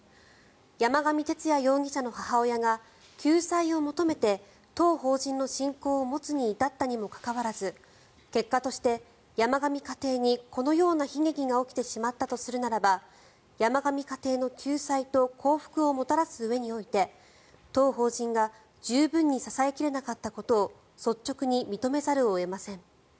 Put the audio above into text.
山上徹也容疑者の母親が救済を求めて当法人の信仰を持つに至ったにもかかわらず結果として山上家庭にこのような悲劇が起きてしまったとするならば山上家庭の救済と幸福をもたらすうえにおいて当法人が十分に支え切れなかったことを率直に認めざるを得ません。